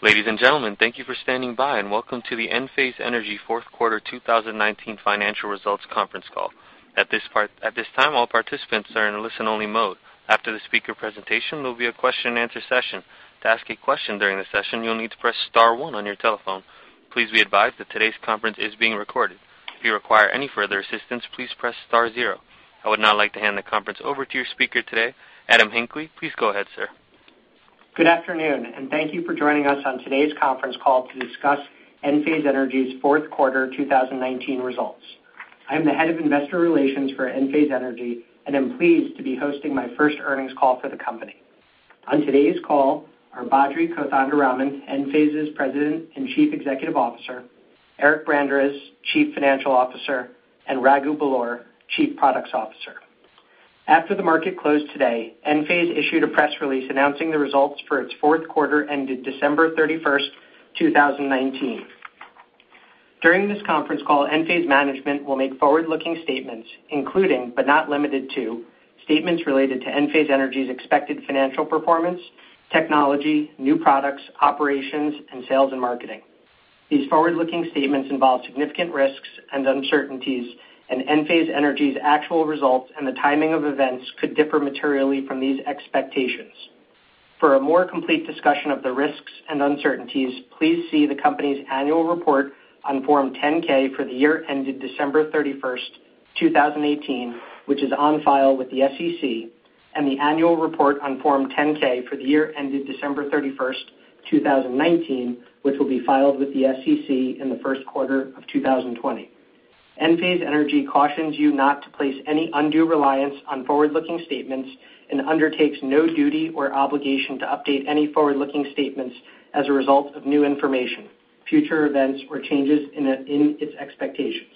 Ladies and gentlemen, thank you for standing by, and welcome to the Enphase Energy fourth quarter 2019 financial results conference call. At this time, all participants are in a listen-only mode. After the speaker presentation, there will be a question-and-answer session. To ask a question during the session, you'll need to press star one on your telephone. Please be advised that today's conference is being recorded. If you require any further assistance, please press star zero. I would now like to hand the conference over to your speaker today, Adam Hinckley. Please go ahead, sir. Good afternoon, and thank you for joining us on today's conference call to discuss Enphase Energy's fourth quarter 2019 results. I am the Head of Investor Relations for Enphase Energy and am pleased to be hosting my first earnings call for the company. On today's call are Badri Kothandaraman, Enphase's President and Chief Executive Officer, Eric Branderiz, Chief Financial Officer, and Raghu Belur, Chief Products Officer. After the market closed today, Enphase issued a press release announcing the results for its fourth quarter ended December 31st, 2019. During this conference call, Enphase management will make forward-looking statements, including, but not limited to, statements related to Enphase Energy's expected financial performance, technology, new products, operations, and sales and marketing. These forward-looking statements involve significant risks and uncertainties. Enphase Energy's actual results and the timing of events could differ materially from these expectations. For a more complete discussion of the risks and uncertainties, please see the company's annual report on Form 10-K for the year ended December 31st, 2018, which is on file with the SEC, and the annual report on Form 10-K for the year ended December 31st, 2019, which will be filed with the SEC in the first quarter of 2020. Enphase Energy cautions you not to place any undue reliance on forward-looking statements and undertakes no duty or obligation to update any forward-looking statements as a result of new information, future events, or changes in its expectations.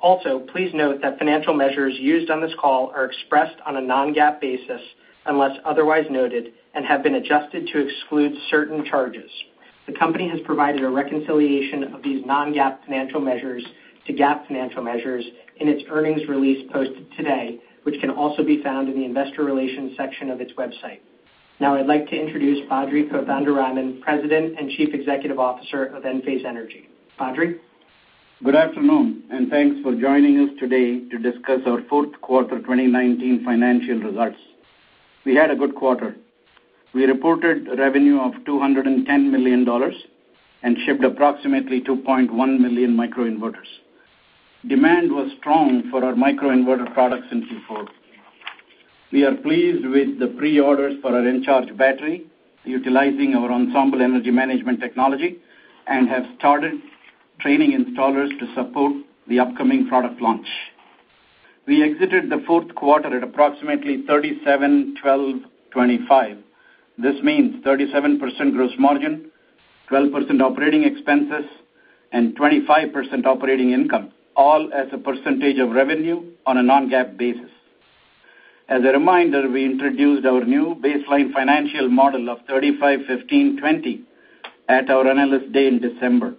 Also, please note that financial measures used on this call are expressed on a non-GAAP basis unless otherwise noted and have been adjusted to exclude certain charges. The company has provided a reconciliation of these non-GAAP financial measures to GAAP financial measures in its earnings release posted today, which can also be found in the investor relations section of its website. Now I'd like to introduce Badri Kothandaraman, President and Chief Executive Officer of Enphase Energy. Badri. Good afternoon, and thanks for joining us today to discuss our fourth quarter 2019 financial results. We had a good quarter. We reported revenue of $210 million and shipped approximately 2.1 million microinverters. Demand was strong for our microinverter products in Q4. We are pleased with the pre-orders for our Encharge battery, utilizing our Ensemble energy management technology and have started training installers to support the upcoming product launch. We exited the fourth quarter at approximately 37-12-25. This means 37% gross margin, 12% operating expenses, and 25% operating income, all as a percentage of revenue on a non-GAAP basis. As a reminder, we introduced our new baseline financial model of 35-15-20 at our Analyst Day in December.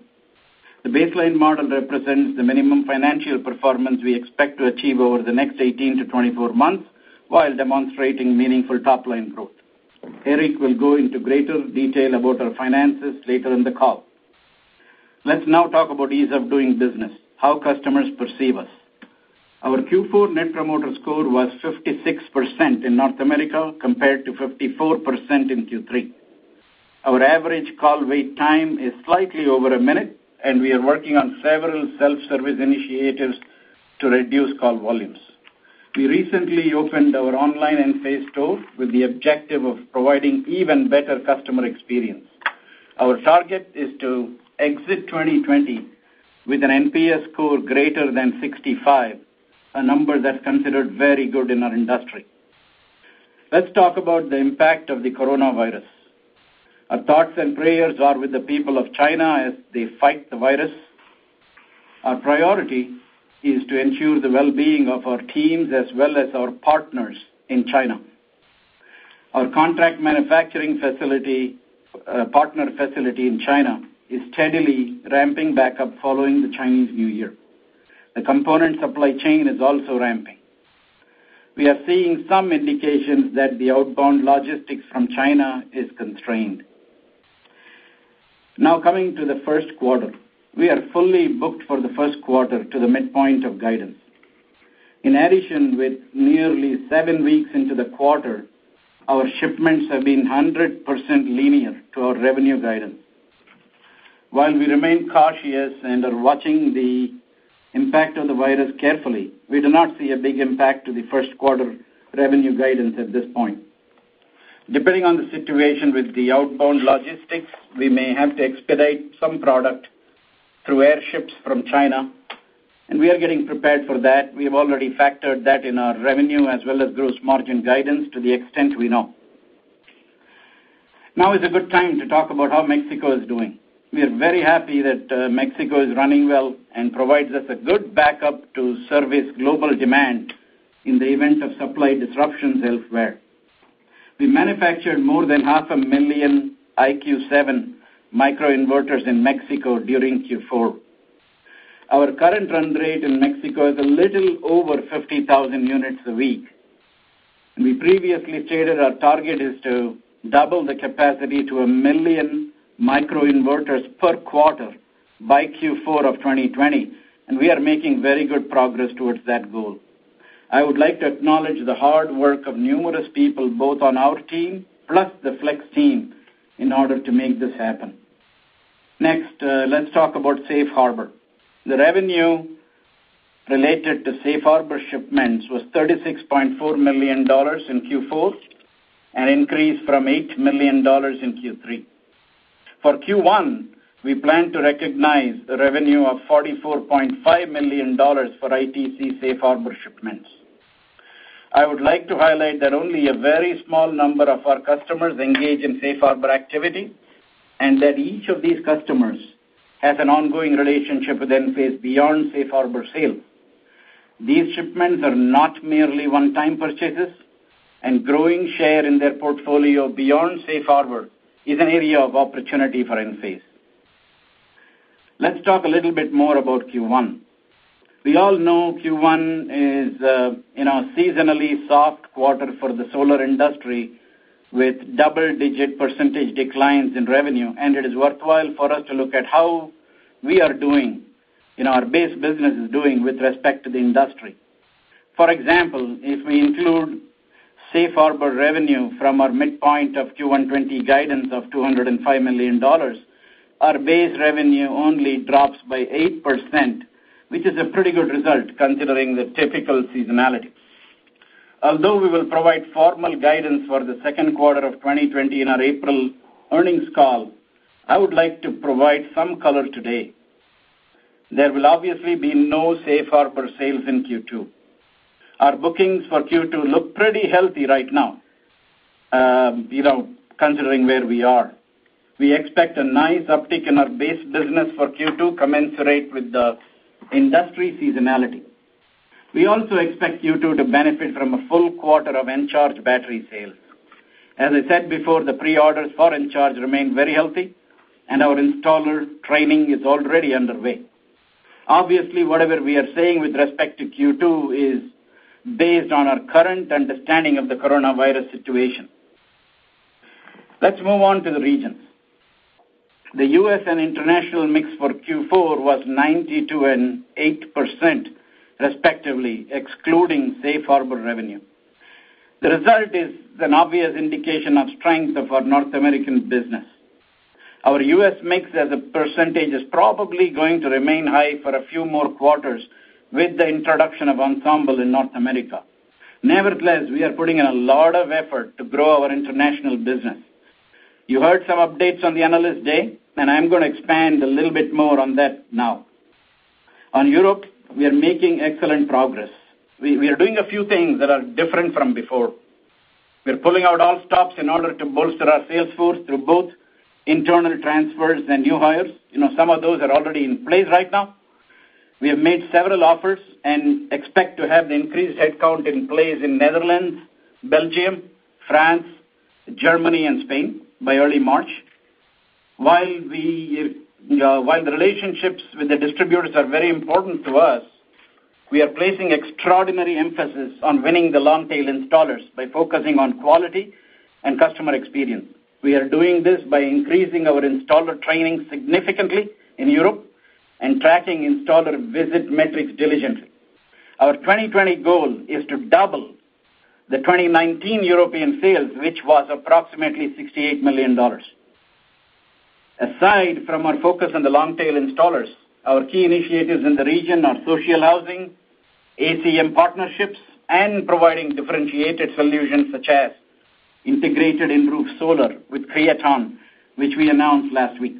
The baseline model represents the minimum financial performance we expect to achieve over the next 18 to 24 months while demonstrating meaningful top-line growth. Eric will go into greater detail about our finances later in the call. Let's now talk about ease of doing business, how customers perceive us. Our Q4 Net Promoter Score was 56% in North America, compared to 54% in Q3. Our average call wait time is slightly over a minute, and we are working on several self-service initiatives to reduce call volumes. We recently opened our online Enphase store with the objective of providing even better customer experience. Our target is to exit 2020 with an NPS score greater than 65, a number that's considered very good in our industry. Let's talk about the impact of the coronavirus. Our thoughts and prayers are with the people of China as they fight the virus. Our priority is to ensure the well-being of our teams as well as our partners in China. Our contract manufacturing partner facility in China is steadily ramping back up following the Chinese New Year. The component supply chain is also ramping. We are seeing some indications that the outbound logistics from China is constrained. Now coming to the first quarter. We are fully booked for the first quarter to the midpoint of guidance. In addition, with nearly seven weeks into the quarter, our shipments have been 100% linear to our revenue guidance. While we remain cautious and are watching the impact of the virus carefully, we do not see a big impact to the first quarter revenue guidance at this point. Depending on the situation with the outbound logistics, we may have to expedite some product through airships from China, and we are getting prepared for that. We have already factored that in our revenue as well as gross margin guidance to the extent we know. Now is a good time to talk about how Mexico is doing. We are very happy that Mexico is running well and provides us a good backup to service global demand in the event of supply disruptions elsewhere. We manufactured more than half a million IQ7 microinverters in Mexico during Q4. Our current run rate in Mexico is a little over 50,000 units a week. We previously stated our target is to double the capacity to a million microinverters per quarter by Q4 of 2020, and we are making very good progress towards that goal. I would like to acknowledge the hard work of numerous people, both on our team, plus the Flex team, in order to make this happen. Next, let's talk about Safe Harbor. The revenue related to Safe Harbor shipments was $36.4 million in Q4, an increase from $8 million in Q3. For Q1, we plan to recognize the revenue of $44.5 million for ITC Safe Harbor shipments. I would like to highlight that only a very small number of our customers engage in Safe Harbor activity, and that each of these customers has an ongoing relationship with Enphase beyond Safe Harbor sales. These shipments are not merely one-time purchases, and growing share in their portfolio beyond Safe Harbor is an area of opportunity for Enphase. Let's talk a little bit more about Q1. We all know Q1 is a seasonally soft quarter for the solar industry with double-digit percentage declines in revenue, it is worthwhile for us to look at how we are doing, our base business is doing with respect to the industry. For example, if we include Safe Harbor revenue from our midpoint of Q1 2020 guidance of $205 million, our base revenue only drops by 8%, which is a pretty good result considering the typical seasonality. We will provide formal guidance for the second quarter of 2020 in our April earnings call, I would like to provide some color today. There will obviously be no Safe Harbor sales in Q2. Our bookings for Q2 look pretty healthy right now, considering where we are. We expect a nice uptick in our base business for Q2 commensurate with the industry seasonality. We also expect Q2 to benefit from a full quarter of Encharge battery sales. As I said before, the pre-orders for Encharge remain very healthy, and our installer training is already underway. Obviously, whatever we are saying with respect to Q2 is based on our current understanding of the coronavirus situation. Let's move on to the regions. The U.S. and international mix for Q4 was 92% and 8% respectively, excluding Safe Harbor revenue. The result is an obvious indication of strength of our North American business. Our U.S. mix as a percentage is probably going to remain high for a few more quarters with the introduction of Ensemble in North America. Nevertheless, we are putting in a lot of effort to grow our international business. You heard some updates on the Analyst Day, and I'm going to expand a little bit more on that now. On Europe, we are making excellent progress. We are doing a few things that are different from before. We're pulling out all stops in order to bolster our sales force through both internal transfers and new hires. Some of those are already in place right now. We have made several offers and expect to have the increased headcount in place in Netherlands, Belgium, France, Germany, and Spain by early March. While the relationships with the distributors are very important to us, we are placing extraordinary emphasis on winning the long-tail installers by focusing on quality and customer experience. We are doing this by increasing our installer training significantly in Europe and tracking installer visit metrics diligently. Our 2020 goal is to double the 2019 European sales, which was approximately $68 million. Aside from our focus on the long-tail installers, our key initiatives in the region are social housing, ACM partnerships, and providing differentiated solutions such as integrated in-roof solar with Creaton, which we announced last week.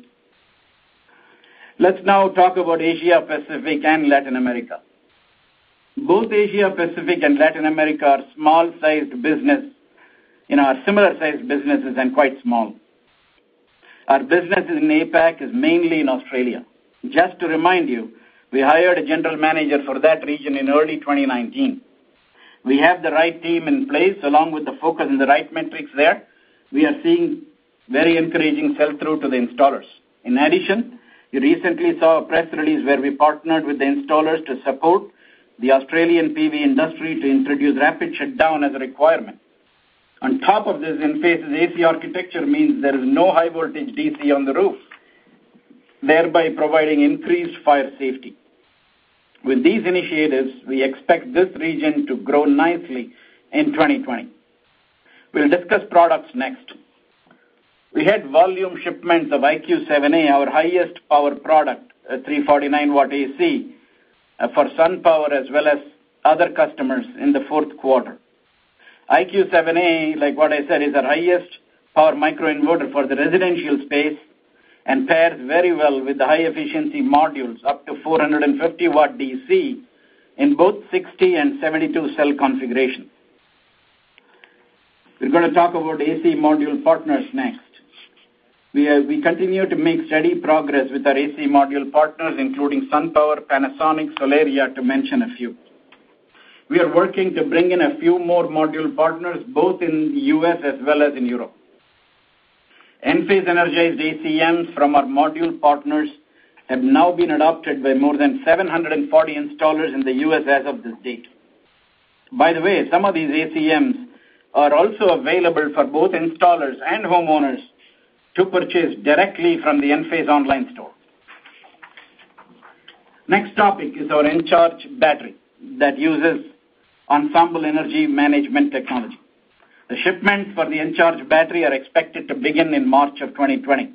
Let's now talk about Asia Pacific and Latin America. Both Asia Pacific and Latin America are similar-sized businesses and quite small. Our business in APAC is mainly in Australia. Just to remind you, we hired a general manager for that region in early 2019. We have the right team in place, along with the focus and the right metrics there. We are seeing very encouraging sell-through to the installers. You recently saw a press release where we partnered with the installers to support the Australian PV industry to introduce rapid shutdown as a requirement. On top of this, Enphase's AC architecture means there is no high voltage DC on the roof, thereby providing increased fire safety. With these initiatives, we expect this region to grow nicely in 2020. We'll discuss products next. We had volume shipments of IQ7A, our highest power product, a 349-W AC, for SunPower, as well as other customers in the fourth quarter. IQ 7A, like what I said, is our highest power microinverter for the residential space and pairs very well with the high-efficiency modules up to 450-W DC in both 60 and 72 cell configurations. We're going to talk about AC module partners next. We continue to make steady progress with our AC module partners, including SunPower, Panasonic, Solaria, to mention a few. We are working to bring in a few more module partners, both in the U.S. as well as in Europe. Enphase Energy's ACMs from our module partners have now been adopted by more than 740 installers in the U.S. as of this date. By the way, some of these ACMs are also available for both installers and homeowners to purchase directly from the Enphase online store. Next topic is our Encharge battery that uses Ensemble energy management technology. The shipments for the Encharge battery are expected to begin in March of 2020.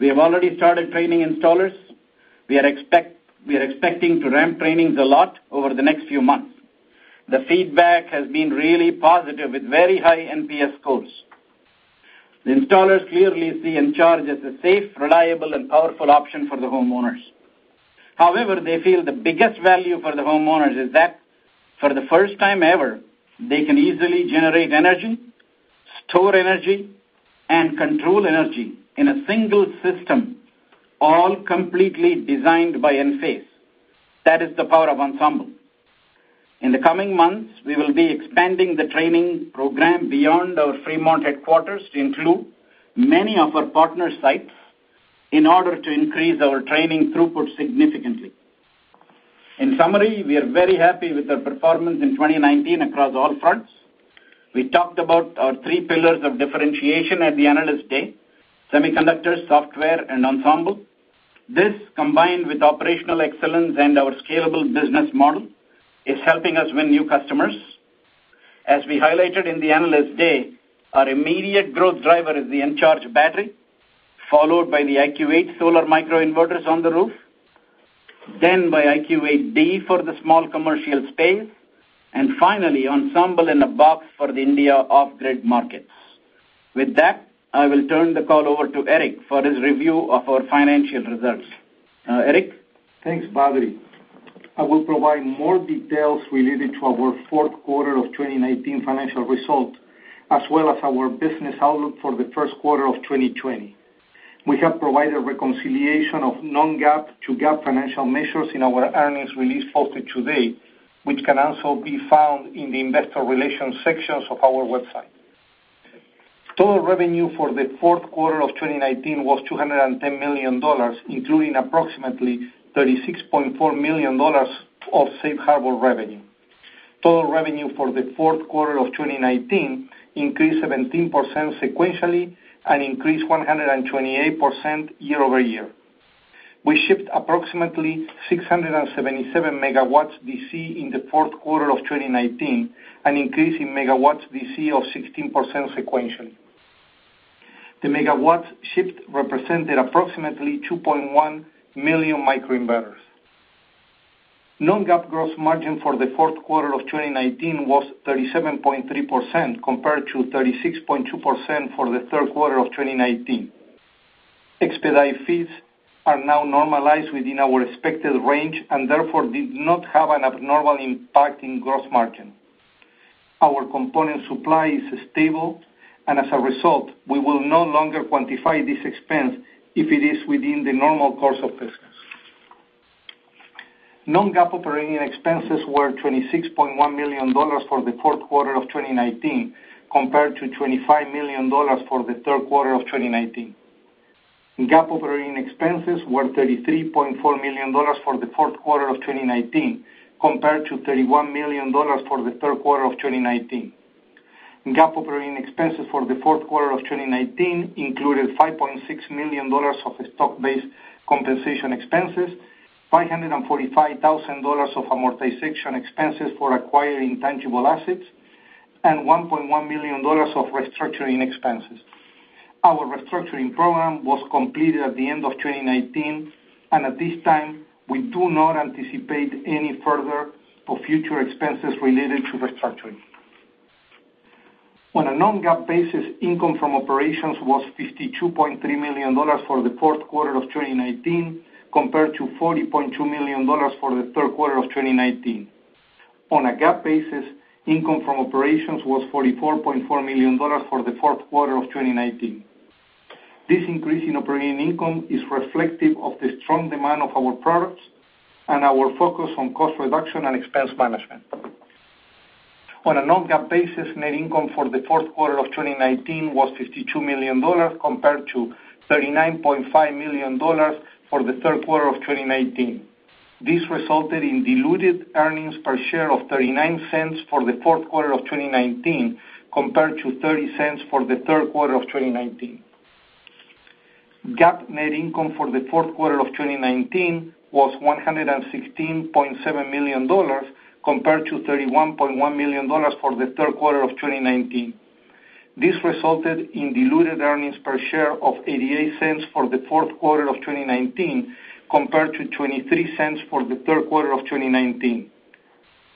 We have already started training installers. We are expecting to ramp trainings a lot over the next few months. The feedback has been really positive with very high NPS scores. The installers clearly see Encharge as a safe, reliable, and powerful option for the homeowners. They feel the biggest value for the homeowners is that, for the first time ever, they can easily generate energy, store energy, and control energy in a single system, all completely designed by Enphase. That is the power of Ensemble. In the coming months, we will be expanding the training program beyond our Fremont headquarters to include many of our partner sites in order to increase our training throughput significantly. In summary, we are very happy with the performance in 2019 across all fronts. We talked about our three pillars of differentiation at the Analyst Day: semiconductors, software, and Ensemble. This, combined with operational excellence and our scalable business model, is helping us win new customers. As we highlighted in the Analyst Day, our immediate growth driver is the Encharge battery, followed by the IQ8 solar microinverters on the roof, then by IQ8D for the small commercial space, and finally, Ensemble in a box for the India off-grid markets. With that, I will turn the call over to Eric for his review of our financial results. Eric? Thanks, Badri. I will provide more details related to our fourth quarter of 2019 financial result, as well as our business outlook for the first quarter of 2020. We have provided reconciliation of non-GAAP to GAAP financial measures in our earnings release posted today, which can also be found in the investor relations sections of our website. Total revenue for the fourth quarter of 2019 was $210 million, including approximately $36.4 million of Safe Harbor revenue. Total revenue for the fourth quarter of 2019 increased 17% sequentially and increased 128% year-over-year. We shipped approximately 677 megawatts DC in the fourth quarter of 2019, an increase in megawatts DC of 16% sequentially. The megawatts shipped represented approximately 2.1 million microinverters. Non-GAAP gross margin for the fourth quarter of 2019 was 37.3%, compared to 36.2% for the third quarter of 2019. Expedite fees are now normalized within our expected range and therefore did not have an abnormal impact in gross margin. As a result, we will no longer quantify this expense if it is within the normal course of business. non-GAAP operating expenses were $26.1 million for the fourth quarter of 2019, compared to $25 million for the third quarter of 2019. GAAP operating expenses were $33.4 million for the fourth quarter of 2019, compared to $31 million for the third quarter of 2019. GAAP operating expenses for the fourth quarter of 2019 included $5.6 million of stock-based compensation expenses, $545,000 of amortization expenses for acquiring tangible assets, and $1.1 million of restructuring expenses. Our restructuring program was completed at the end of 2019. At this time, we do not anticipate any further or future expenses related to restructuring. On a non-GAAP basis, income from operations was $52.3 million for the fourth quarter of 2019, compared to $40.2 million for the third quarter of 2019. On a GAAP basis, income from operations was $44.4 million for the fourth quarter of 2019. This increase in operating income is reflective of the strong demand of our products and our focus on cost reduction and expense management. On a non-GAAP basis, net income for the fourth quarter of 2019 was $52 million, compared to $39.5 million for the third quarter of 2019. This resulted in diluted earnings per share of $0.39 for the fourth quarter of 2019, compared to $0.30 for the third quarter of 2019. GAAP net income for the fourth quarter of 2019 was $116.7 million compared to $31.1 million for the third quarter of 2019. This resulted in diluted earnings per share of $0.88 for the fourth quarter of 2019, compared to $0.23 for the third quarter of 2019.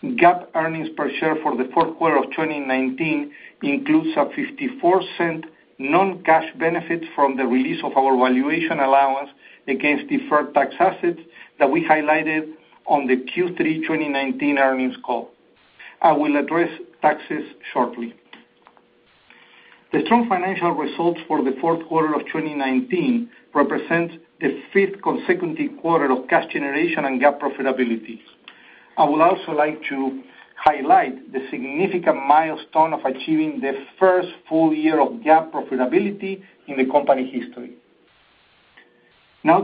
GAAP earnings per share for the fourth quarter of 2019 includes a $0.54 non-cash benefit from the release of our valuation allowance against deferred tax assets that we highlighted on the Q3 2019 earnings call. I will address taxes shortly. The strong financial results for the fourth quarter of 2019 represent the fifth consecutive quarter of cash generation and GAAP profitability. I would also like to highlight the significant milestone of achieving the first full year of GAAP profitability in the company history.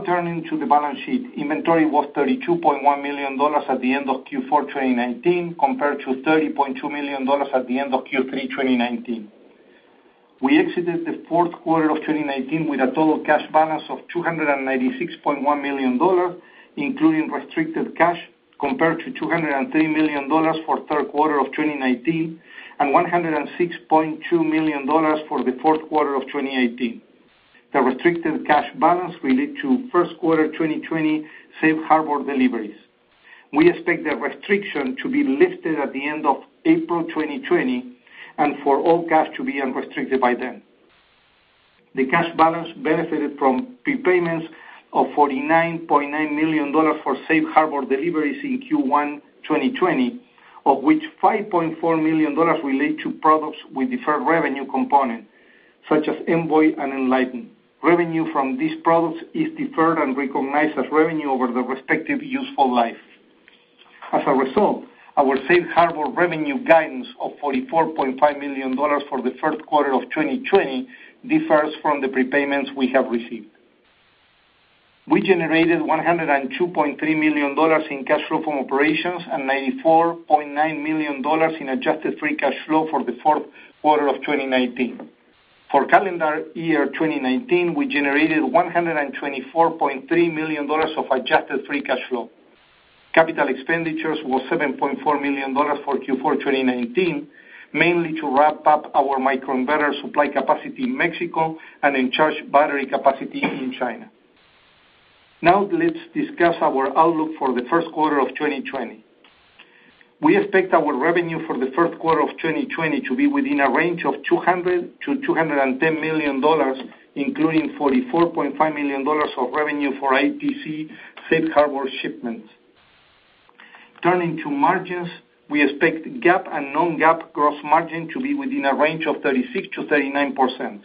Turning to the balance sheet. Inventory was $32.1 million at the end of Q4 2019, compared to $30.2 million at the end of Q3 2019. We exited the fourth quarter of 2019 with a total cash balance of $296.1 million, including restricted cash, compared to $203 million for third quarter of 2019, and $106.2 million for the fourth quarter of 2018. The restricted cash balance relate to first quarter 2020 Safe Harbor deliveries. We expect the restriction to be lifted at the end of April 2020 and for all cash to be unrestricted by then. The cash balance benefited from prepayments of $49.9 million for Safe Harbor deliveries in Q1 2020, of which $5.4 million relate to products with deferred revenue component, such as Envoy and Enlighten. Revenue from these products is deferred and recognized as revenue over the respective useful life. As a result, our Safe Harbor revenue guidance of $44.5 million for the first quarter of 2020 differs from the prepayments we have received. We generated $102.3 million in cash flow from operations and $94.9 million in adjusted free cash flow for the fourth quarter of 2019. For calendar year 2019, we generated $124.3 million of adjusted free cash flow. Capital expenditures was $7.4 million for Q4 2019, mainly to wrap up our microinverter supply capacity in Mexico and Encharge battery capacity in China. Now let's discuss our outlook for the first quarter of 2020. We expect our revenue for the first quarter of 2020 to be within a range of $200 million-$210 million, including $44.5 million of revenue for ITC Safe Harbor shipments. Turning to margins, we expect GAAP and non-GAAP gross margin to be within a range of 36%-39%.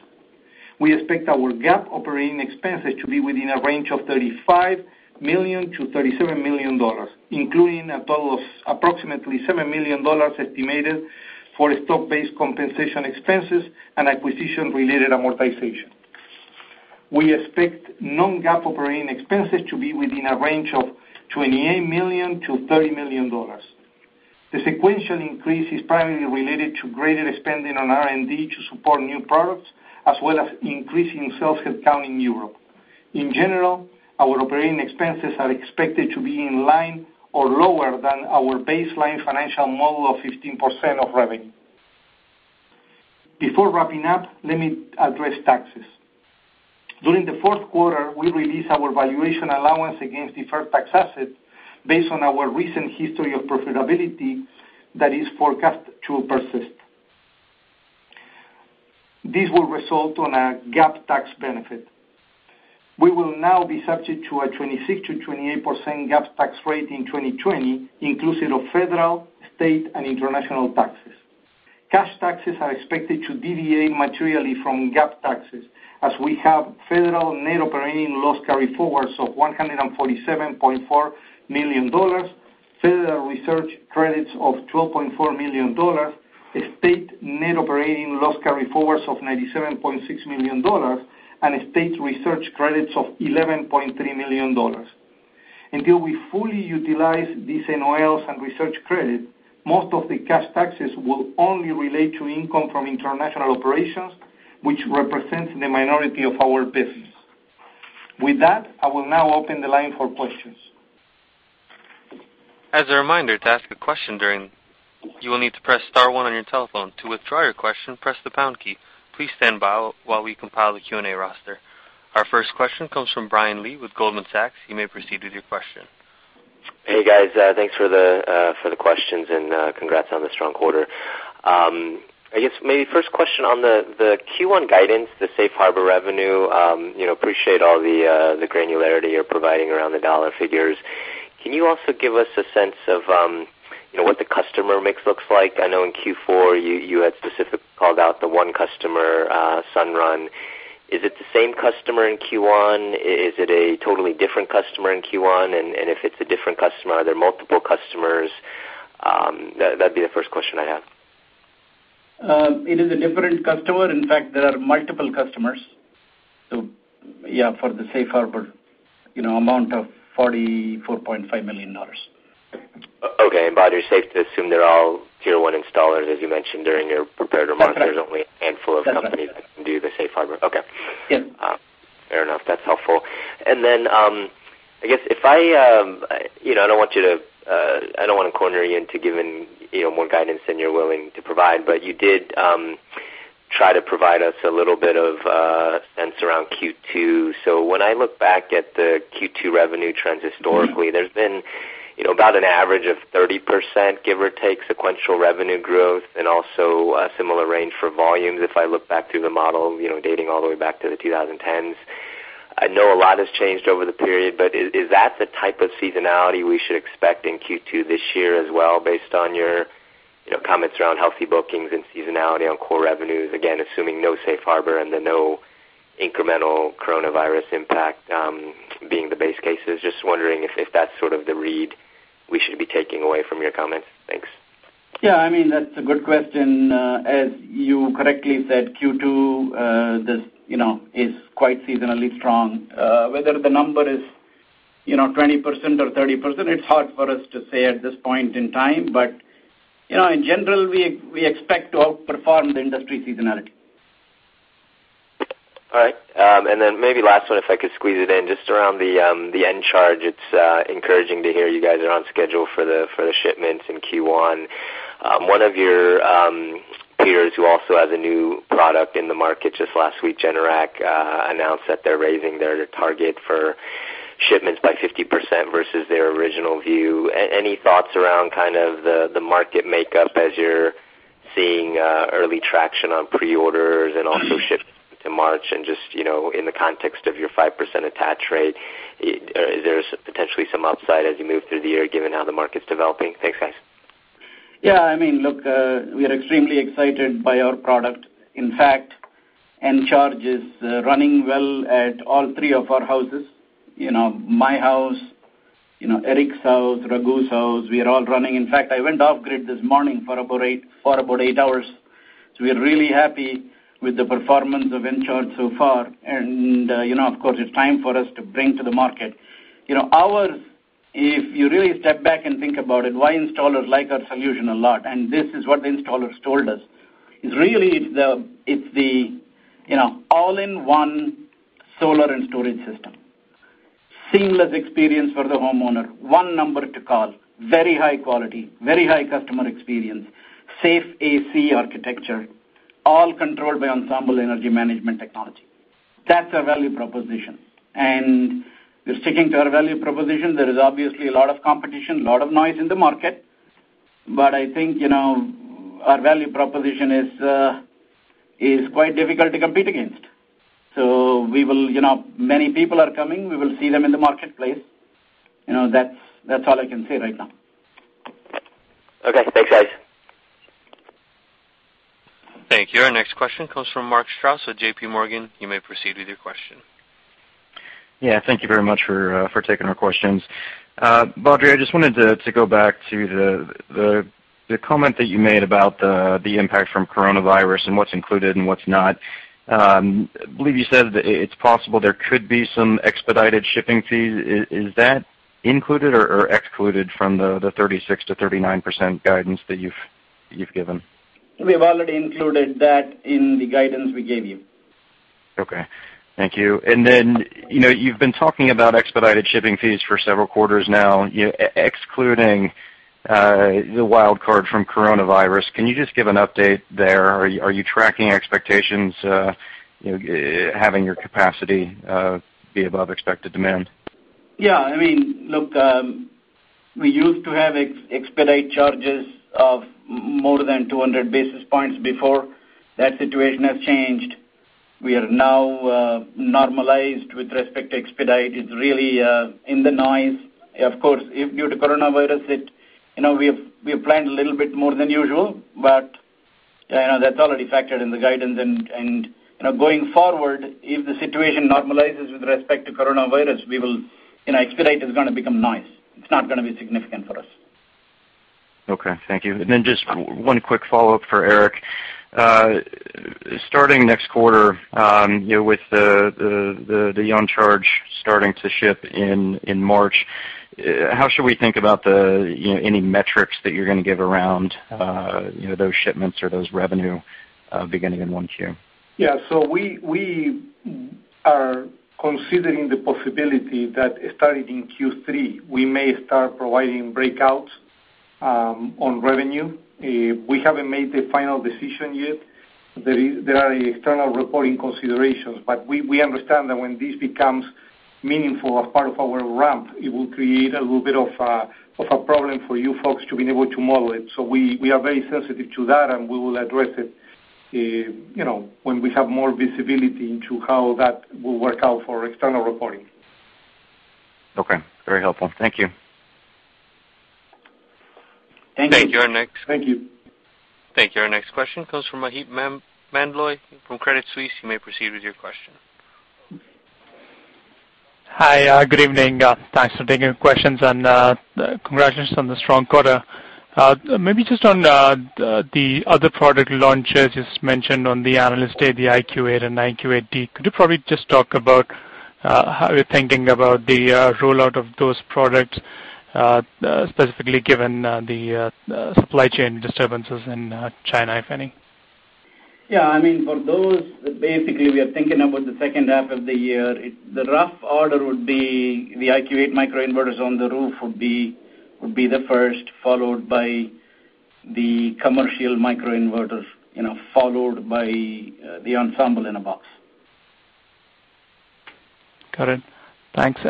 We expect our GAAP operating expenses to be within a range of $35 million-$37 million, including a total of approximately $7 million estimated for stock-based compensation expenses and acquisition-related amortization. We expect non-GAAP operating expenses to be within a range of $28 million-$30 million. The sequential increase is primarily related to greater spending on R&D to support new products, as well as increasing sales headcount in Europe. In general, our operating expenses are expected to be in line or lower than our baseline financial model of 15% of revenue. Before wrapping up, let me address taxes. During the fourth quarter, we released our valuation allowance against deferred tax assets based on our recent history of profitability that is forecast to persist. This will result in a GAAP tax benefit. We will now be subject to a 26%-28% GAAP tax rate in 2020, inclusive of federal, state, and international taxes. Cash taxes are expected to deviate materially from GAAP taxes, as we have federal net operating loss carry-forwards of $147.4 million, federal research credits of $12.4 million, state net operating loss carry-forwards of $97.6 million, and state research credits of $11.3 million. Until we fully utilize these NOLs and research credit, most of the cash taxes will only relate to income from international operations, which represents the minority of our business. With that, I will now open the line for questions. As a reminder, to ask a question, you will need to press star one on your telephone. To withdraw your question, press the pound key. Please stand by while we compile the Q&A roster. Our first question comes from Brian Lee with Goldman Sachs. You may proceed with your question. Hey, guys. Thanks for the questions and congrats on the strong quarter. I guess maybe first question on the Q1 guidance, the safe harbor revenue. Appreciate all the granularity you're providing around the dollar figures. Can you also give us a sense of what the customer mix looks like? I know in Q4, you had specifically called out the one customer, Sunrun. Is it the same customer in Q1? Is it a totally different customer in Q1? If it's a different customer, are there multiple customers? That'd be the first question I have. It is a different customer. In fact, there are multiple customers. Yeah, for the Safe Harbor amount of $44.5 million. Okay. Badri, safe to assume they're all Tier 1 installers, as you mentioned during your prepared remarks. That's right. there's only a handful of companies that can do the Safe Harbor. Okay. Yeah. Fair enough. That's helpful. I don't want to corner you into giving more guidance than you're willing to provide, you did try to provide us a little bit of sense around Q2. When I look back at the Q2 revenue trends historically, there's been about an average of 30%, give or take, sequential revenue growth and also a similar range for volumes, if I look back through the model, dating all the way back to the 2010s. I know a lot has changed over the period, is that the type of seasonality we should expect in Q2 this year as well based on your comments around healthy bookings and seasonality on core revenues. Again, assuming no Safe Harbor, no incremental coronavirus impact being the base cases. Just wondering if that's sort of the read we should be taking away from your comments. Thanks. Yeah. That's a good question. As you correctly said, Q2 is quite seasonally strong. Whether the number is 20% or 30%, it's hard for us to say at this point in time. In general, we expect to outperform the industry seasonality. All right. Maybe last one, if I could squeeze it in, just around the Encharge. It's encouraging to hear you guys are on schedule for the shipments in Q1. One of your peers, who also has a new product in the market, just last week, Generac, announced that they're raising their target for shipments by 50% versus their original view. Any thoughts around the market makeup as you're seeing early traction on pre-orders and also ship to March and just in the context of your 5% attach rate, there's potentially some upside as you move through the year, given how the market's developing. Thanks, guys. Yeah. Look, we are extremely excited by our product. In fact, Encharge is running well at all three of our houses. My house, Eric's house, Raghu's house, we are all running. In fact, I went off grid this morning for about eight hours. We are really happy with the performance of Encharge so far. Of course, it's time for us to bring to the market. If you really step back and think about it, why installers like our solution a lot, and this is what the installers told us, is really it's the all-in-one solar and storage system. Seamless experience for the homeowner. One number to call. Very high quality. Very high customer experience. Safe AC architecture. All controlled by Ensemble energy management technology. That's our value proposition. We're sticking to our value proposition. There is obviously a lot of competition, a lot of noise in the market, I think, our value proposition is quite difficult to compete against. Many people are coming. We will see them in the marketplace. That's all I can say right now. Okay, thanks, guys. Thank you. Our next question comes from Mark Strouse with JPMorgan. You may proceed with your question. Thank you very much for taking our questions. Badri, I just wanted to go back to the comment that you made about the impact from coronavirus and what's included and what's not. I believe you said that it's possible there could be some expedited shipping fees. Is that included or excluded from the 36%-39% guidance that you've given? We have already included that in the guidance we gave you. Okay. Thank you. You've been talking about expedited shipping fees for several quarters now, excluding the wild card from coronavirus. Can you just give an update there? Are you tracking expectations, having your capacity be above expected demand? Look, we used to have expedite charges of more than 200 basis points before. That situation has changed. We are now normalized with respect to expedite. It's really in the noise. Of course, due to coronavirus, we have planned a little bit more than usual, but that's already factored in the guidance. Going forward, if the situation normalizes with respect to coronavirus, expedite is going to become noise. It's not going to be significant for us. Okay. Thank you. Just one quick follow-up for Eric. Starting next quarter, with the Encharge starting to ship in March, how should we think about any metrics that you're going to give around those shipments or those revenue beginning in 1Q? Yeah. We are considering the possibility that starting in Q3, we may start providing breakouts on revenue. We haven't made the final decision yet. There are external reporting considerations. We understand that when this becomes meaningful as part of our ramp, it will create a little bit of a problem for you folks to be able to model it. We are very sensitive to that, and we will address it when we have more visibility into how that will work out for external reporting. Okay. Very helpful. Thank you. Thank you. Thank you. Thank you. Our next question comes from Maheep Mandloi from Credit Suisse. You may proceed with your question. Hi. Good evening. Thanks for taking the questions, and congratulations on the strong quarter. Maybe just on the other product launches you just mentioned on the Analyst Day, the IQ8 and IQ8D, could you probably just talk about how you're thinking about the rollout of those products, specifically given the supply chain disturbances in China, if any? For those, we are thinking about the second half of the year. The rough order would be the IQ8 microinverters on the roof would be the first, followed by the commercial microinverters, followed by the Ensemble in a box. Got it. Thanks.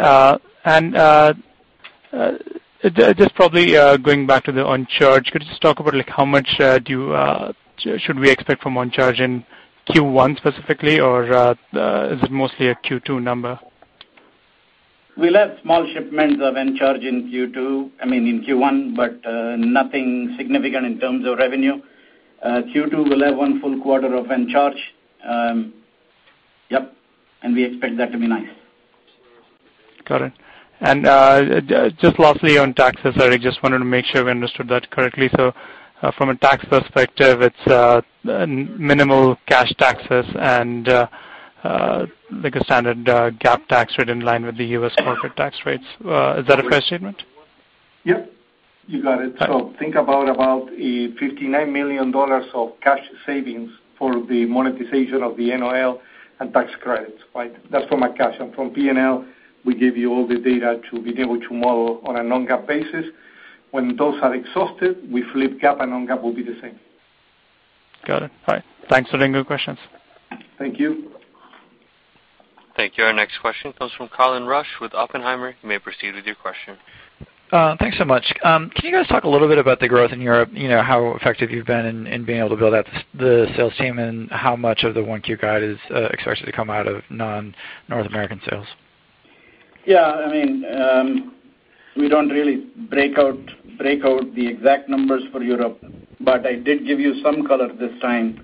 Just probably going back to the Encharge, could you just talk about how much should we expect from Encharge in Q1 specifically, or is it mostly a Q2 number? We'll have small shipments of Encharge in Q2, I mean, in Q1, but nothing significant in terms of revenue. Q2, we'll have one full quarter of Encharge. Yep. We expect that to be nice. Got it. Just lastly on taxes, I just wanted to make sure we understood that correctly. From a tax perspective, it's minimal cash taxes and like a standard GAAP tax rate in line with the U.S. corporate tax rates. Is that a fair statement? Yep. You got it. Right. Think about $59 million of cash savings for the monetization of the NOL and tax credits. That's from a cash. From P&L, we gave you all the data to be able to model on a non-GAAP basis. When those are exhausted, we flip GAAP and non-GAAP will be the same. Got it. All right. Thanks for taking the questions. Thank you. Thank you. Our next question comes from Colin Rusch with Oppenheimer. You may proceed with your question. Thanks so much. Can you guys talk a little bit about the growth in Europe, how effective you've been in being able to build out the sales team, and how much of the 1Q guide is expected to come out of non-North American sales? We don't really break out the exact numbers for Europe. I did give you some color this time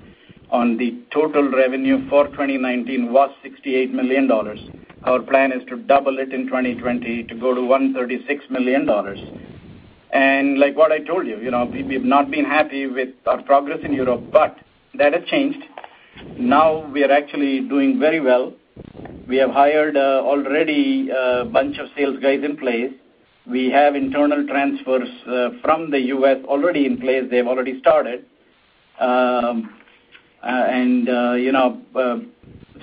on the total revenue for 2019 was $68 million. Our plan is to double it in 2020 to go to $136 million. Like what I told you, we've not been happy with our progress in Europe, but that has changed. Now we are actually doing very well. We have hired already a bunch of sales guys in place. We have internal transfers from the U.S. already in place. They've already started. I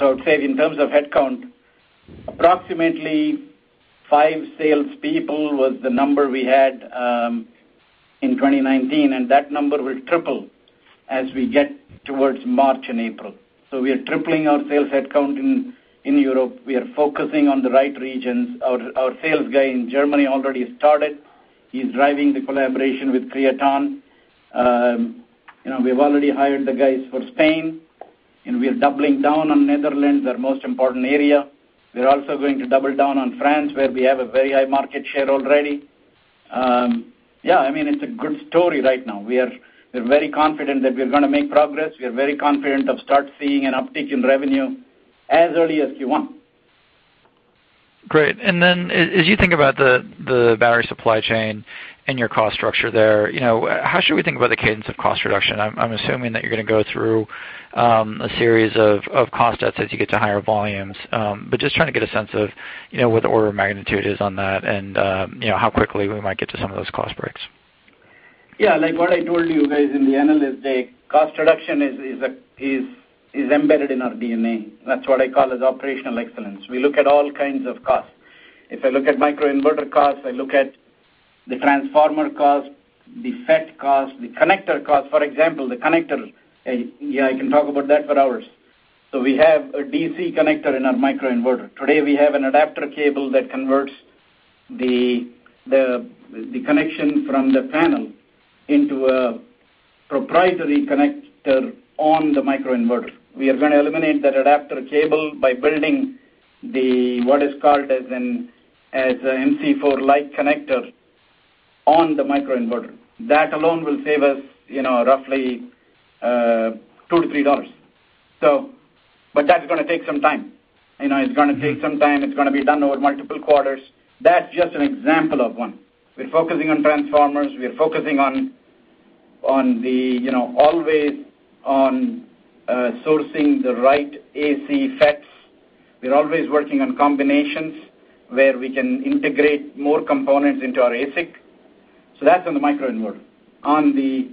would say in terms of headcount, approximately five salespeople was the number we had in 2019, and that number will triple as we get towards March and April. We are tripling our sales headcount in Europe. We are focusing on the right regions. Our sales guy in Germany already started. He's driving the collaboration with Creaton. We've already hired the guys for Spain, and we are doubling down on Netherlands, our most important area. We're also going to double down on France, where we have a very high market share already. Yeah, it's a good story right now. We're very confident that we're going to make progress. We are very confident of start seeing an uptick in revenue as early as Q1. Great. Then as you think about the battery supply chain and your cost structure there, how should we think about the cadence of cost reduction? I'm assuming that you're going to go through a series of cost cuts as you get to higher volumes. Just trying to get a sense of what the order of magnitude is on that and how quickly we might get to some of those cost breaks. Like what I told you guys in the Analyst Day, cost reduction is embedded in our DNA. That's what I call as operational excellence. We look at all kinds of costs. If I look at microinverter costs, I look at the transformer cost, the FET cost, the connector cost. For example, the connector, I can talk about that for hours. We have a DC connector in our microinverter. Today we have an adapter cable that converts the connection from the panel into a proprietary connector on the microinverter. We are going to eliminate that adapter cable by building what is called as a MC4-like connector on the microinverter. That alone will save us roughly $2-$3. That's going to take some time. It's going to take some time. It's going to be done over multiple quarters. That's just an example of one. We're focusing on transformers, we're focusing always on sourcing the right AC sets. We're always working on combinations where we can integrate more components into our ASIC. That's on the microinverter. On the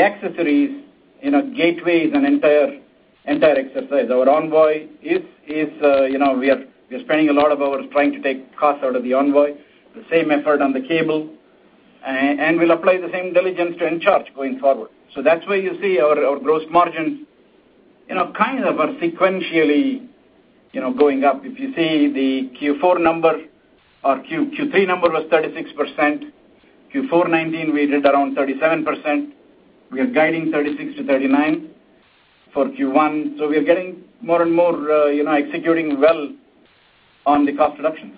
accessories, Gateway is an entire exercise. Our Envoy, we are spending a lot of hours trying to take costs out of the Envoy, the same effort on the cable. We'll apply the same diligence to Encharge going forward. That's why you see our gross margins kind of are sequentially going up. If you see the Q3 number was 36%, Q4 2019, we did around 37%. We are guiding 36%-39% for Q1. We are getting more and more, executing well on the cost reduction.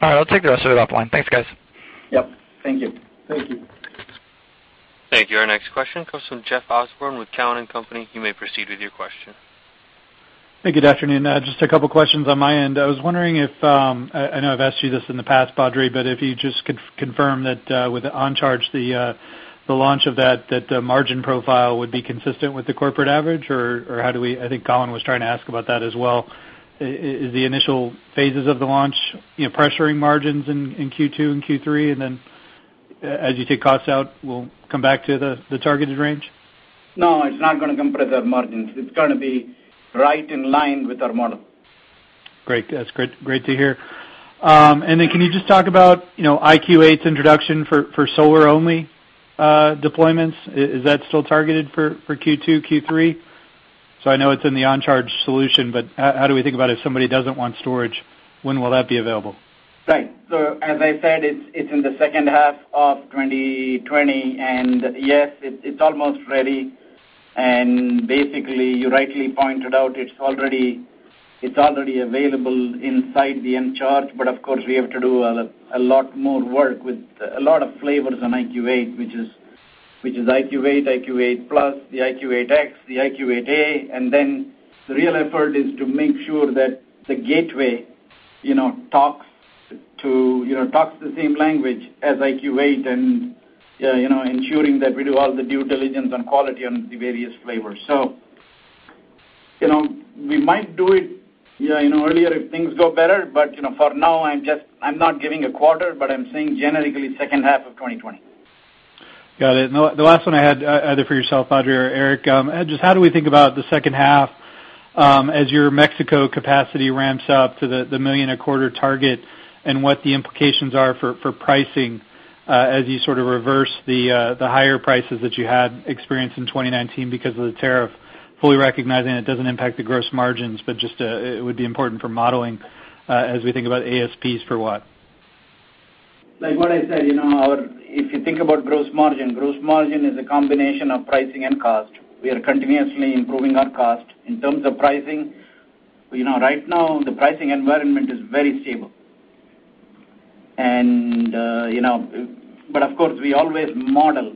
All right. I'll take the rest of it offline. Thanks, guys. Yep. Thank you. Thank you. Thank you. Our next question comes from Jeff Osborne with Cowen and Company. You may proceed with your question. Thank you. Good afternoon. Just a couple questions on my end. I was wondering if, I know I've asked you this in the past, Badri, but if you just could confirm that with the Encharge, the launch of that the margin profile would be consistent with the corporate average? I think Colin was trying to ask about that as well. Is the initial phases of the launch pressuring margins in Q2 and Q3, and then as you take costs out, will come back to the targeted range? No, it's not going to compress our margins. It's going to be right in line with our model. Great. That's great to hear. Can you just talk about IQ8's introduction for solar-only deployments? Is that still targeted for Q2, Q3? I know it's in the Encharge solution, but how do we think about if somebody doesn't want storage, when will that be available? Right. As I said, it's in the second half of 2020. Yes, it's almost ready. Basically, you rightly pointed out, it's already available inside the Encharge, of course, we have to do a lot more work with a lot of flavors on IQ8, which is IQ8+, the IQ8X, the IQ8A. The real effort is to make sure that the gateway talks the same language as IQ8 and ensuring that we do all the due diligence on quality on the various flavors. We might do it earlier if things go better. For now, I'm not giving a quarter, but I'm saying generically second half of 2020. Got it. The last one I had, either for yourself, Badri or Eric, just how do we think about the second half as your Mexico capacity ramps up to the 1 million a quarter target, and what the implications are for pricing, as you sort of reverse the higher prices that you had experienced in 2019 because of the tariff? Fully recognizing it doesn't impact the gross margins, but just it would be important for modeling, as we think about ASPs per watt. Like what I said, if you think about gross margin, gross margin is a combination of pricing and cost. We are continuously improving our cost. In terms of pricing, right now the pricing environment is very stable. Of course, we always model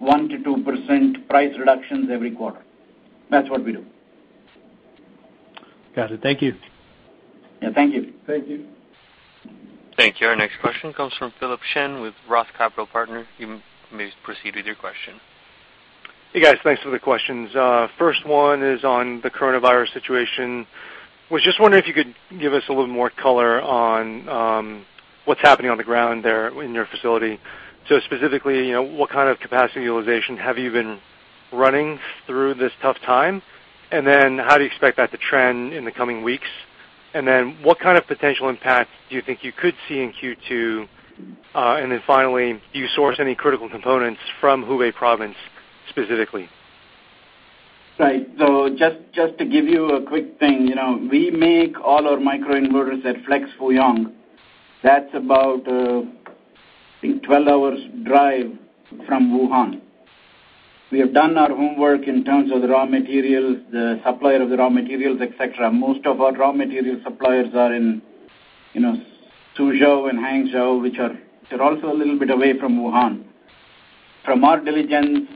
1%-2% price reductions every quarter. That's what we do. Got it. Thank you. Yeah. Thank you. Thank you. Thank you. Our next question comes from Philip Shen with Roth Capital Partners. You may proceed with your question. Hey, guys. Thanks for the questions. First one is on the coronavirus situation. Was just wondering if you could give us a little more color on what's happening on the ground there in your facility. Specifically, what kind of capacity utilization have you been running through this tough time? How do you expect that to trend in the coming weeks? What kind of potential impact do you think you could see in Q2? Finally, do you source any critical components from Hubei province specifically? Right. Just to give you a quick thing, we make all our microinverters at Flex Fuyang. That's about, I think, 12 hours drive from Wuhan. We have done our homework in terms of the raw materials, the supplier of the raw materials, et cetera. Most of our raw material suppliers are in Suzhou and Hangzhou, which are also a little bit away from Wuhan. From our diligence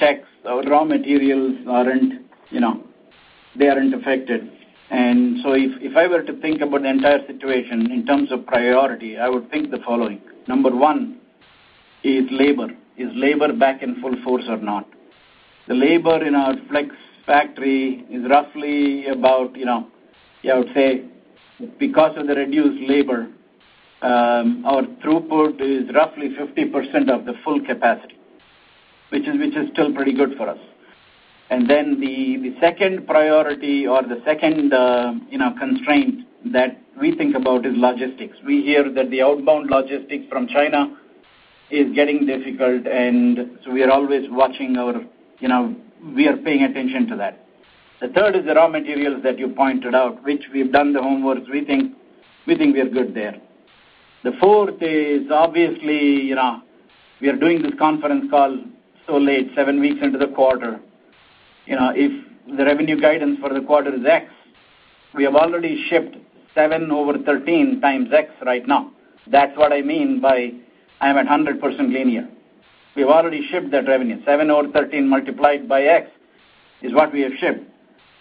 checks, our raw materials, they aren't affected. If I were to think about the entire situation in terms of priority, I would think the following. Number one is labor. Is labor back in full force or not? The labor in our Flex factory is roughly about, I would say, because of the reduced labor, our throughput is roughly 50% of the full capacity, which is still pretty good for us. The second priority or the second constraint that we think about is logistics. We hear that the outbound logistics from China is getting difficult, so we are always watching. We are paying attention to that. The third is the raw materials that you pointed out, which we've done the homework. We think we are good there. The fourth is obviously, we are doing this conference call so late, seven weeks into the quarter. If the revenue guidance for the quarter is X, we have already shipped seven over 13 times X right now. That's what I mean by I'm at 100% linear. We've already shipped that revenue. Seven over 13 multiplied by X is what we have shipped.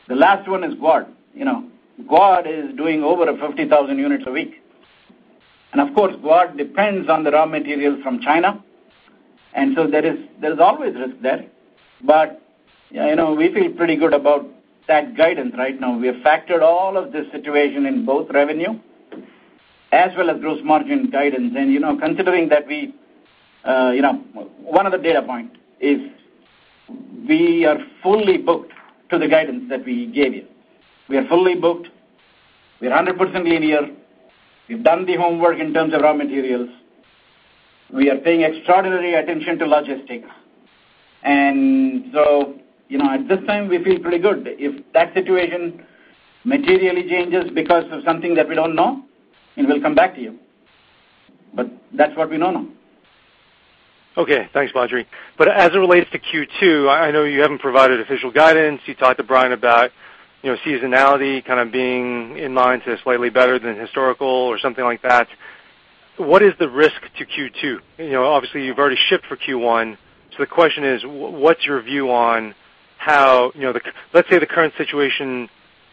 The last one is Guad. Guad is doing over 50,000 units a week. Of course, Guad depends on the raw materials from China. There is always risk there. We feel pretty good about that guidance right now. We have factored all of this situation in both revenue as well as gross margin guidance. Considering that one of the data point is we are fully booked to the guidance that we gave you. We are fully booked. We are 100% linear. We've done the homework in terms of raw materials. We are paying extraordinary attention to logistics. At this time, we feel pretty good. If that situation materially changes because of something that we don't know, then we'll come back to you. That's what we know now. Thanks, Badri. As it relates to Q2, I know you haven't provided official guidance. You talked to Brian about seasonality kind of being in line to slightly better than historical or something like that. What is the risk to Q2? Obviously, you've already shipped for Q1, the question is, what's your view on let's say the current situation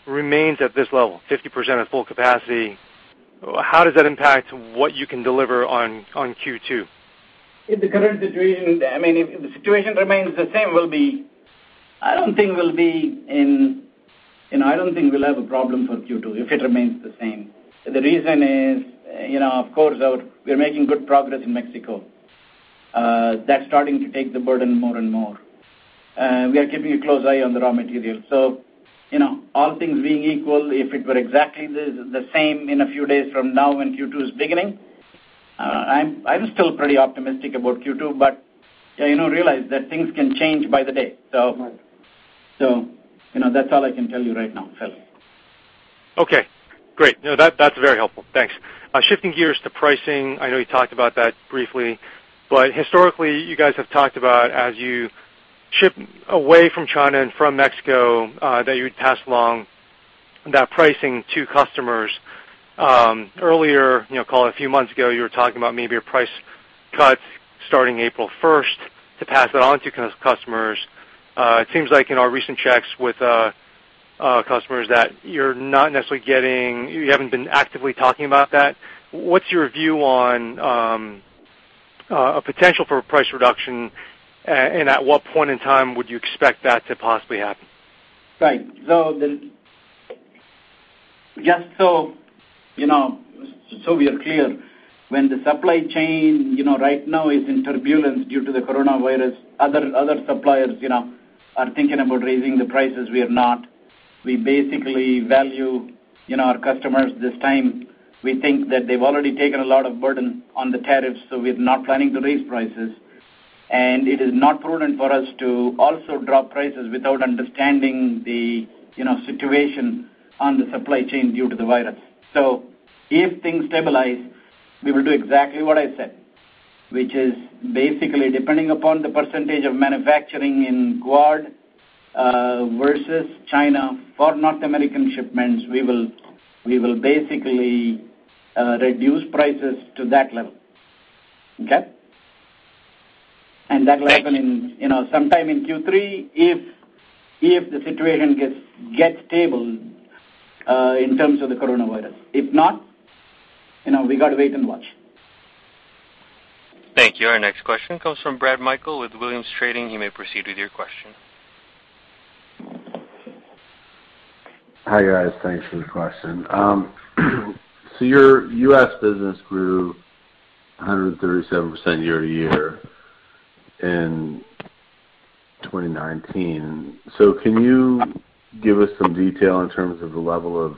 remains at this level, 50% of full capacity. How does that impact what you can deliver on Q2? If the situation remains the same, I don't think we'll have a problem for Q2, if it remains the same. The reason is, of course, we're making good progress in Mexico. That's starting to take the burden more and more. We are keeping a close eye on the raw materials. All things being equal, if it were exactly the same in a few days from now when Q2 is beginning, I'm still pretty optimistic about Q2, but realize that things can change by the day. That's all I can tell you right now, Philip. Okay, great. No, that's very helpful. Thanks. Shifting gears to pricing, I know you talked about that briefly. Historically, you guys have talked about as you ship away from China and from Mexico, that you would pass along that pricing to customers. Earlier, call it a few months ago, you were talking about maybe a price cut starting April 1st to pass that on to customers. It seems like in our recent checks with customers that you haven't been actively talking about that. What's your view on a potential for a price reduction? At what point in time would you expect that to possibly happen? Right. Just so we are clear, when the supply chain right now is in turbulence due to the coronavirus, other suppliers are thinking about raising the prices, we have not. We basically value our customers this time. We think that they've already taken a lot of burden on the tariffs, we're not planning to raise prices. It is not prudent for us to also drop prices without understanding the situation on the supply chain due to the virus. If things stabilize, we will do exactly what I said, which is basically depending upon the percentage of manufacturing in Guad versus China for North American shipments, we will basically reduce prices to that level. Okay? That will happen in sometime in Q3 if the situation gets stable, in terms of the coronavirus. If not, we got to wait and watch. Thank you. Our next question comes from Brad Meikle with Williams Trading. You may proceed with your question. Hi, guys. Thanks for the question. Your U.S. business grew 137% year-over-year in 2019. Can you give us some detail in terms of the level of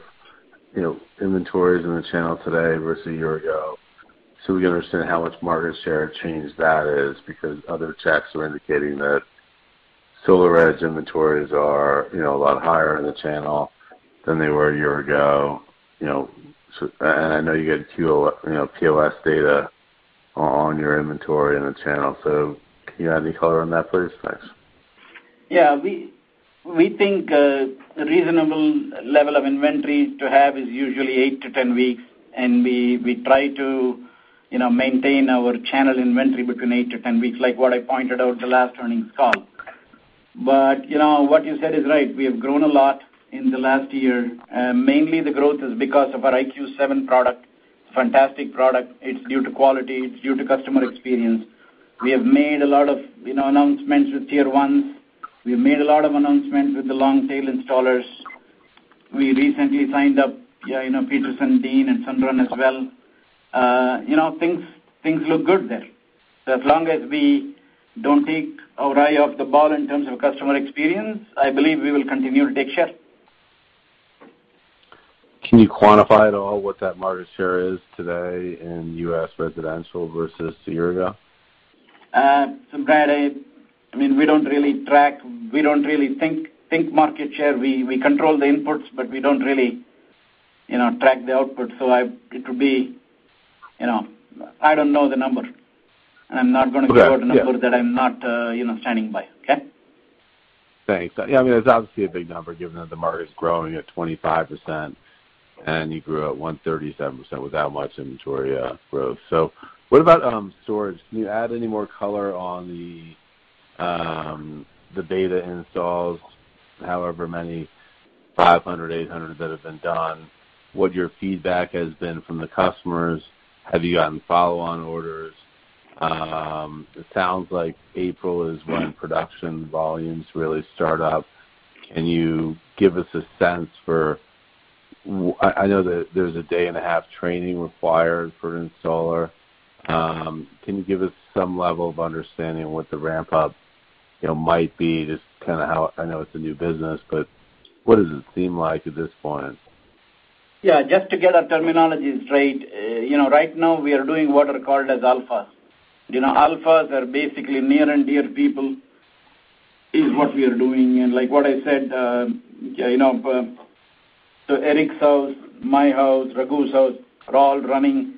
inventories in the channel today versus a year ago, so we understand how much market share change that is? Other checks are indicating that SolarEdge inventories are a lot higher in the channel than they were a year ago. I know you get POS data on your inventory in the channel. Can you add any color on that, please? Thanks. Yeah. We think a reasonable level of inventory to have is usually eight to 10 weeks, we try to maintain our channel inventory between eight to 10 weeks, like what I pointed out the last earnings call. What you said is right. We have grown a lot in the last year. Mainly the growth is because of our IQ7 product. Fantastic product. It's due to quality. It's due to customer experience. We have made a lot of announcements with Tier 1s. We've made a lot of announcements with the long-tail installers. We recently signed up Petersen-Dean and Sunrun as well. Things look good there. As long as we don't take our eye off the ball in terms of customer experience, I believe we will continue to take share. Can you quantify at all what that market share is today in U.S. residential versus a year ago? Brad, we don't really think market share. We control the inputs, but we don't really track the output. I don't know the number, and I'm not going to quote a number. Right. Yeah. that I'm not standing by. Okay? Thanks. Yeah, it's obviously a big number given that the market is growing at 25%, and you grew at 137% with that much inventory growth. What about storage? Can you add any more color on the beta installs, however many, 500, 800 that have been done, what your feedback has been from the customers? Have you gotten follow-on orders? It sounds like April is when production volumes really start up. Can you give us a sense? I know that there's a day and a half training required for an installer. Can you give us some level of understanding what the ramp-up might be? Just kind of how, I know it's a new business, but what does it seem like at this point? Yeah, just to get our terminologies straight. Right now, we are doing what are called as alphas. Alphas are basically near and dear people, is what we are doing. Like what I said, Eric's house, my house, Raghu's house are all running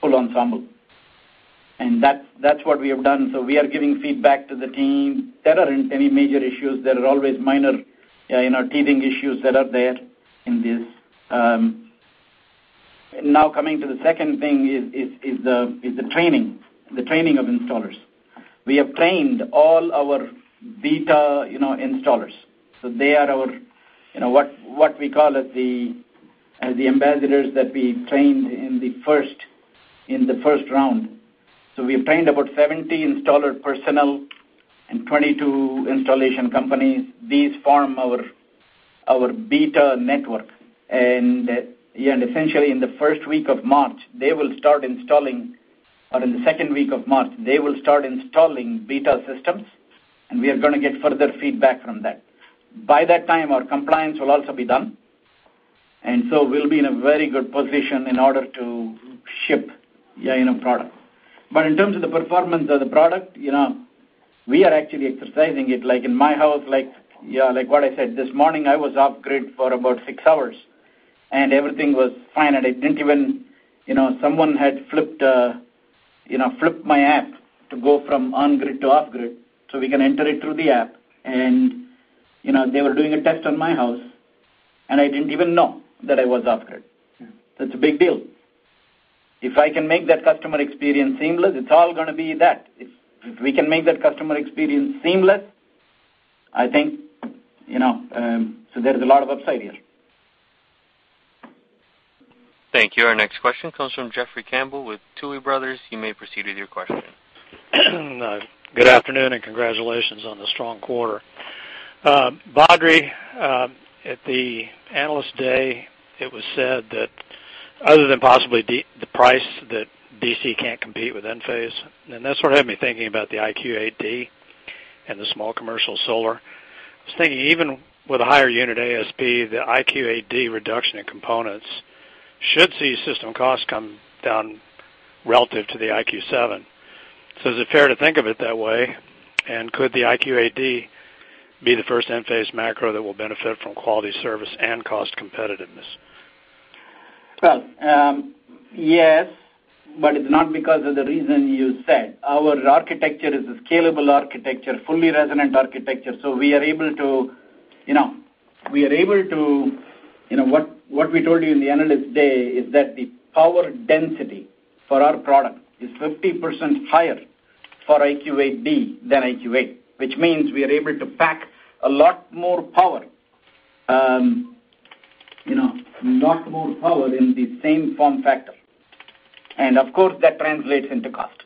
full Ensemble. That's what we have done. We are giving feedback to the team. There aren't any major issues. There are always minor teething issues that are there in this. Now, coming to the second thing is the training of installers. We have trained all our beta installers. They are our, what we call it, the ambassadors that we trained in the first round. We trained about 70 installer personnel and 22 installation companies. These form our beta network. Essentially, in the first week of March, they will start installing, or in the second week of March, they will start installing beta systems, and we are going to get further feedback from that. By that time, our compliance will also be done, and so we'll be in a very good position in order to ship product. In terms of the performance of the product. We are actually exercising it. Like in my house, like what I said, this morning, I was off-grid for about six hours, and everything was fine. Someone had flipped my app to go from on-grid to off-grid, so we can enter it through the app. They were doing a test on my house, and I didn't even know that I was off-grid. That's a big deal. If I can make that customer experience seamless, it's all going to be that. If we can make that customer experience seamless, I think, there's a lot of upside here. Thank you. Our next question comes from Jeffrey Campbell with Tuohy Brothers. You may proceed with your question. Good afternoon, congratulations on the strong quarter. Badri, at the Analyst Day, it was said that other than possibly the price, that DC can't compete with Enphase, that's what had me thinking about the IQ8D and the small commercial solar. I was thinking, even with a higher unit ASP, the IQ8D reduction in components should see system costs come down relative to the IQ7. Is it fair to think of it that way? Could the IQ8D be the first Enphase micro that will benefit from quality, service, and cost competitiveness? Well, yes, but it's not because of the reason you said. Our architecture is a scalable architecture, fully resonant architecture. We are able to-- what we told you in the Analyst Day is that the power density for our product is 50% higher for IQ8D than IQ8, which means we are able to pack a lot more power in the same form factor, and of course, that translates into cost.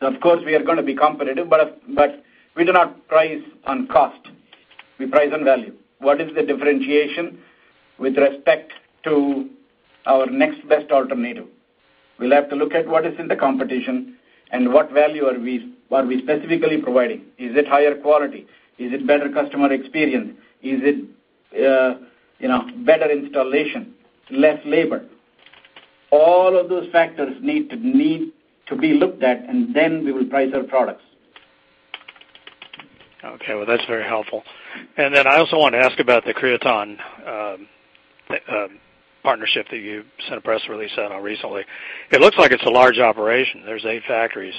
Of course, we are going to be competitive, but we do not price on cost. We price on value. What is the differentiation with respect to our next best alternative? We'll have to look at what is in the competition and what value are we specifically providing. Is it higher quality? Is it better customer experience? Is it better installation, less labor? All of those factors need to be looked at, and then we will price our products. Okay. Well, that's very helpful. I also wanted to ask about the Creaton partnership that you sent a press release out on recently. It looks like it's a large operation. There's eight factories.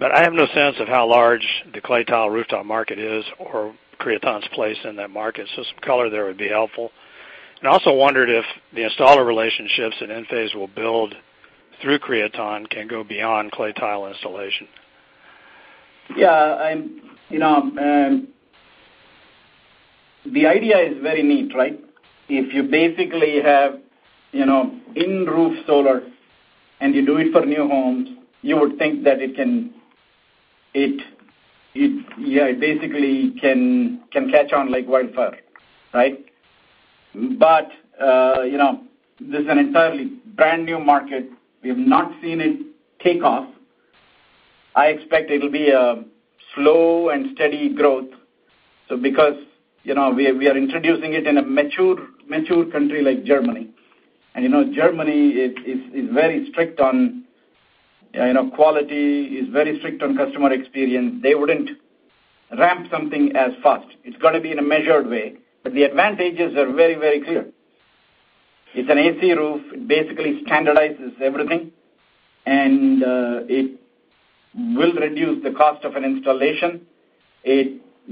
I have no sense of how large the clay tile rooftop market is or Creaton's place in that market, so some color there would be helpful. I also wondered if the installer relationships that Enphase will build through Creaton can go beyond clay tile installation. Yeah. The idea is very neat, right? If you basically have in-roof solar and you do it for new homes, you would think that it basically can catch on like wildfire, right? This is an entirely brand-new market. We have not seen it take off. I expect it'll be a slow and steady growth. Because we are introducing it in a mature country like Germany, and Germany is very strict on quality, is very strict on customer experience. They wouldn't ramp something as fast. It's got to be in a measured way. The advantages are very clear. It's an AC roof. It basically standardizes everything, and it will reduce the cost of an installation.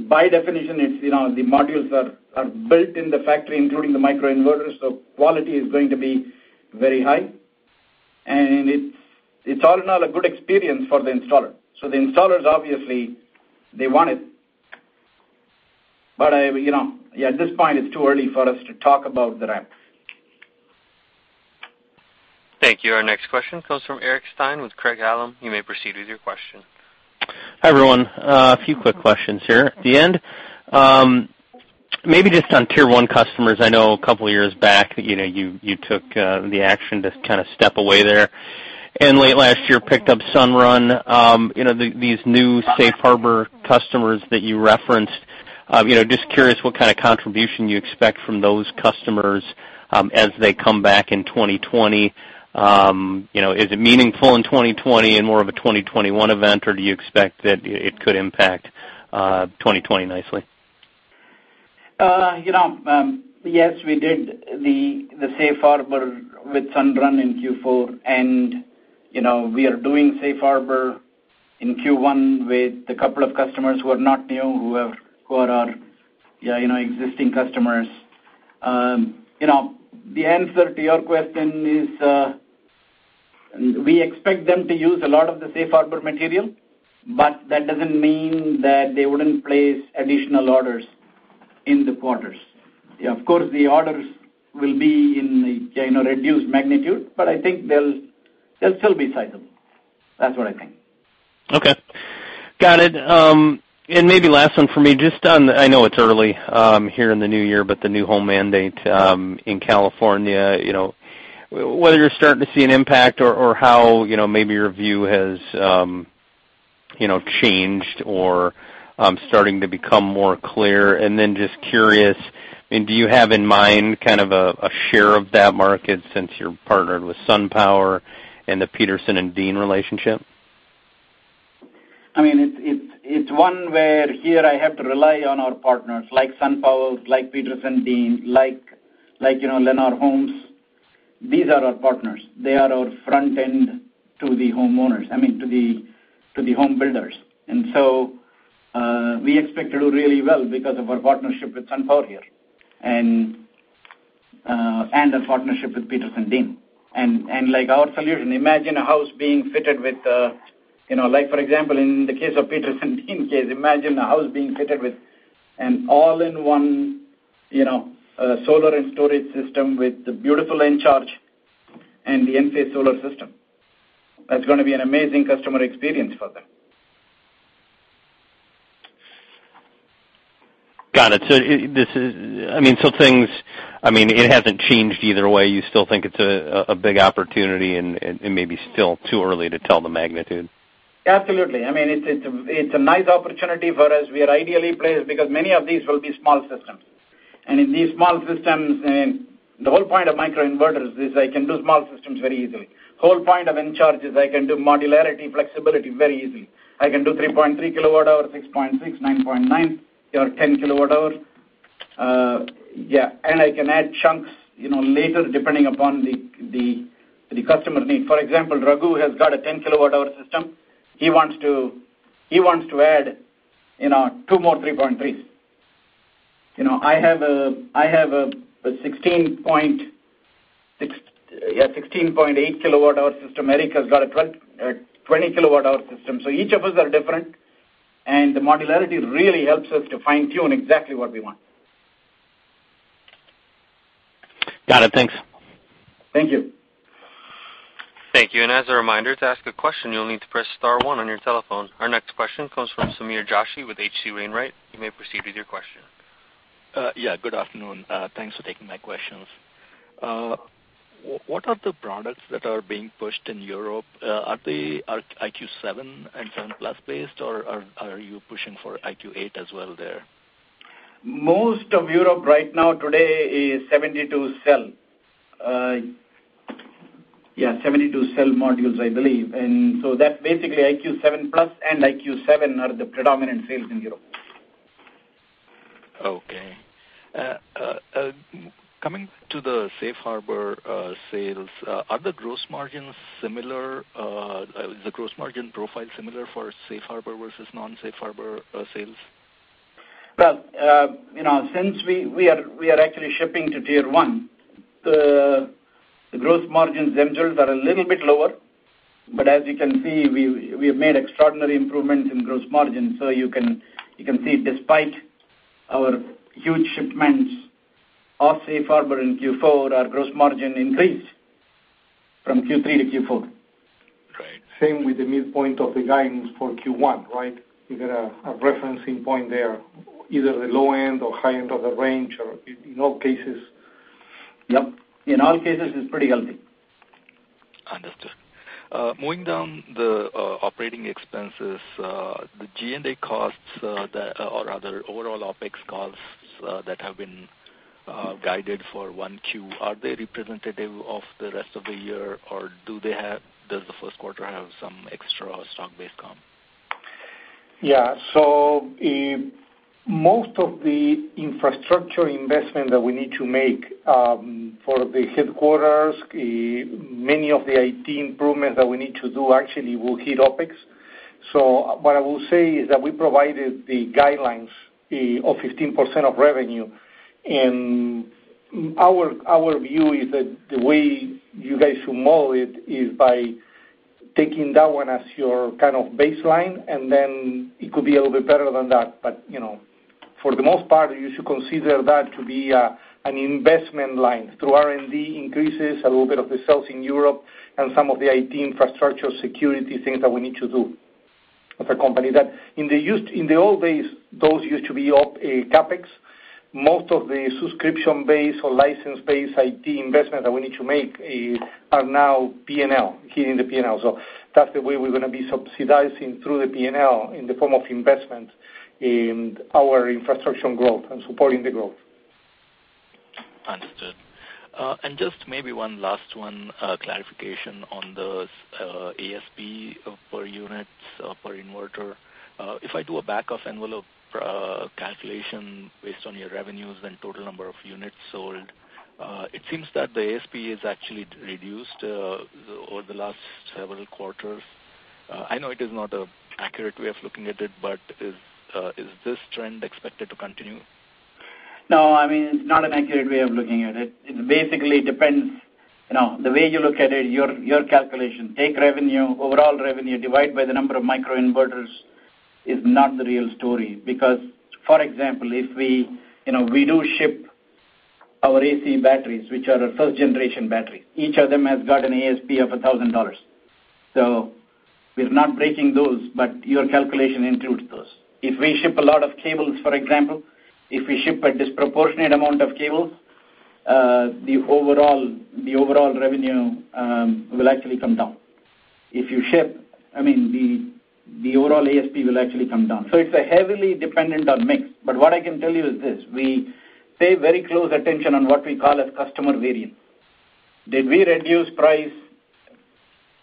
By definition, the modules are built in the factory, including the microinverters, so quality is going to be very high. It's all in all a good experience for the installer. The installers, obviously, they want it. At this point, it's too early for us to talk about the ramp. Thank you. Our next question comes from Eric Stine with Craig-Hallum. You may proceed with your question. Hi, everyone. A few quick questions here at the end. Maybe just on Tier 1 customers, I know a couple of years back, you took the action to kind of step away there, and late last year, picked up Sunrun. These new Safe Harbor customers that you referenced, just curious what kind of contribution you expect from those customers as they come back in 2020. Is it meaningful in 2020 and more of a 2021 event, or do you expect that it could impact 2020 nicely? Yes, we did the Safe Harbor with Sunrun in Q4. We are doing Safe Harbor in Q1 with a couple of customers who are not new, who are our existing customers. The answer to your question is, we expect them to use a lot of the Safe Harbor material. That doesn't mean that they wouldn't place additional orders in the quarters. Of course, the orders will be in a reduced magnitude. I think they'll still be sizable. That's what I think. Okay. Got it. Maybe last one for me, I know it's early here in the new year, but the new home mandate in California, whether you're starting to see an impact or how maybe your view has changed or starting to become more clear. Then just curious, do you have in mind kind of a share of that market since you're partnered with SunPower and the Petersen and Dean relationship? It's one where here I have to rely on our partners like SunPower, like Petersen-Dean, like Lennar Homes. These are our partners. They are our front end to the home builders. We expect to do really well because of our partnership with SunPower here, and our partnership with Petersen-Dean. like our solution, like for example, in the case of Petersen-Dean case, imagine a house being fitted with an all-in-one solar and storage system with the beautiful Encharge and the Enphase Solar System. That's going to be an amazing customer experience for them. Got it. It hasn't changed either way. You still think it's a big opportunity and maybe still too early to tell the magnitude? Absolutely. It's a nice opportunity for us. We are ideally placed because many of these will be small systems. In these small systems, the whole point of microinverters is I can do small systems very easily. Whole point of Encharge is I can do modularity, flexibility very easily. I can do 3.3 KW/hr, 6.6, 9.9, or 10 KW/hr. Yeah. I can add chunks later depending upon the customer need. For example, Raghu has got a 10 kilowatt hour system. He wants to add two more 3.3s. I have a 16.8 KW/hr system. Eric has got a 20 KW/hr system. Each of us are different, and the modularity really helps us to fine-tune exactly what we want. Got it. Thanks. Thank you. Thank you. As a reminder, to ask a question, you'll need to press star one on your telephone. Our next question comes from Sameer Joshi with HC Wainwright. You may proceed with your question. Yeah, good afternoon. Thanks for taking my questions. What are the products that are being pushed in Europe? Are they IQ7 and IQ7+ based, or are you pushing for IQ8 as well there? Most of Europe right now today is 72 cell. Yeah, 72 cell modules, I believe. That's basically IQ7+ and IQ7 are the predominant sales in Europe. Okay. Coming to the Safe Harbor sales, are the gross margin profile similar for Safe Harbor versus non-Safe Harbor sales? Well, since we are actually shipping to Tier 1, the gross margins themselves are a little bit lower. As you can see, we have made extraordinary improvements in gross margin. You can see, despite our huge shipments of Safe Harbor in Q4, our gross margin increased from Q3 to Q4. Right. Same with the midpoint of the guidance for Q1, right? You got a referencing point there, either the low end or high end of the range, or in all cases. Yep. In all cases, it's pretty healthy. Understood. Moving down the operating expenses, the G&A costs, or rather overall OpEx costs, that have been guided for 1Q, are they representative of the rest of the year, or does the first quarter have some extra stock-based comp? Most of the infrastructure investment that we need to make for the headquarters, many of the IT improvements that we need to do actually will hit OpEx. What I will say is that we provided the guidelines of 15% of revenue, our view is that the way you guys should model it is by taking that one as your kind of baseline, then it could be a little bit better than that. For the most part, you should consider that to be an investment line through R&D increases, a little bit of the sales in Europe, some of the IT infrastructure security things that we need to do as a company. That in the old days, those used to be OpEx. Most of the subscription-based or license-based IT investment that we need to make are now P&L, hitting the P&L. That's the way we're going to be subsidizing through the P&L in the form of investment in our infrastructure growth and supporting the growth. Understood. Just maybe one last one, clarification on the ASP per units, per inverter. If I do a back-of-envelope calculation based on your revenues and total number of units sold, it seems that the ASP has actually reduced over the last several quarters. I know it is not an accurate way of looking at it, but is this trend expected to continue? No. It's not an accurate way of looking at it. It basically depends. The way you look at it, your calculation, take overall revenue, divide by the number of microinverters, is not the real story. For example, if we do ship our AC batteries, which are a first-generation battery, each of them has got an ASP of $1,000. We're not breaking those, but your calculation includes those. If we ship a lot of cables, for example, if we ship a disproportionate amount of cables, the overall revenue will actually come down. If you ship, the overall ASP will actually come down. It's heavily dependent on mix. What I can tell you is this, we pay very close attention on what we call a customer variant. Did we reduce price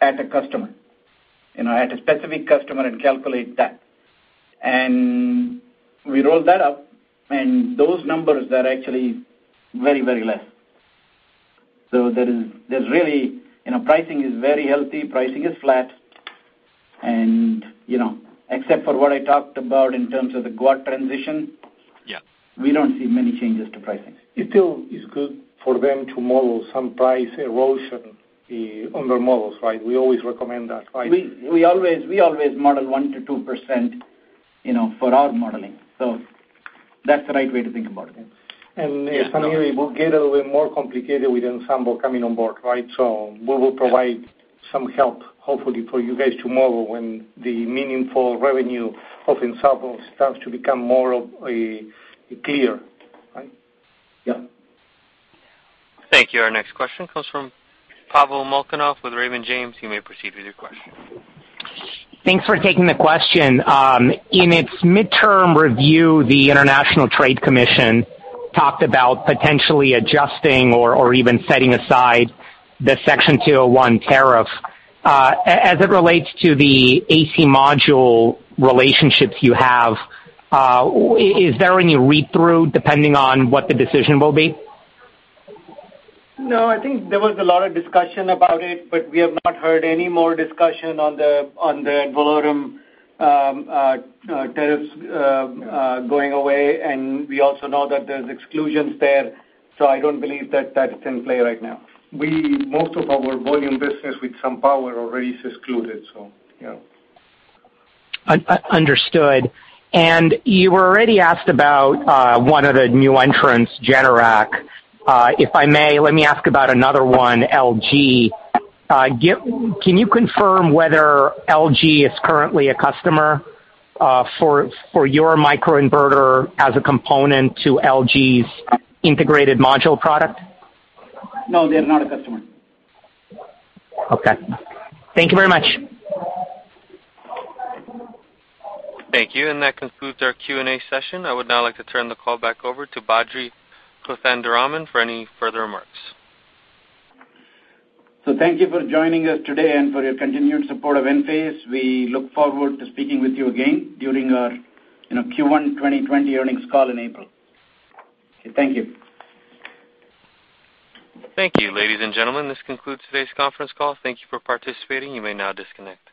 at a customer, at a specific customer and calculate that? We rolled that up and those numbers are actually very less. Pricing is very healthy. Pricing is flat, except for what I talked about in terms of the Guad transition. Yeah We don't see many changes to pricing. It still is good for them to model some price erosion on their models, right? We always recommend that, right? We always model 1%-2% for our modeling. That's the right way to think about it. It will get a little bit more complicated with Ensemble coming on board. We will provide some help, hopefully, for you guys to model when the meaningful revenue of Ensemble starts to become more clear, right? Yeah. Thank you. Our next question comes from Pavel Molchanov with Raymond James. You may proceed with your question. Thanks for taking the question. In its midterm review, the International Trade Commission talked about potentially adjusting or even setting aside the Section 201 tariff. As it relates to the AC module relationships you have, is there any read-through, depending on what the decision will be? I think there was a lot of discussion about it. We have not heard any more discussion on the ad valorem tariffs going away. We also know that there's exclusions there. I don't believe that's in play right now. Most of our volume business with SunPower already is excluded. Understood. You were already asked about one of the new entrants, Generac. If I may, let me ask about another one, LG. Can you confirm whether LG is currently a customer for your microinverter as a component to LG's integrated module product? No, they're not a customer. Okay. Thank you very much. Thank you. That concludes our Q&A session. I would now like to turn the call back over to Badri Kothandaraman for any further remarks. Thank you for joining us today and for your continued support of Enphase. We look forward to speaking with you again during our Q1 2020 earnings call in April. Okay, thank you. Thank you. Ladies and gentlemen, this concludes today's conference call. Thank you for participating. You may now disconnect.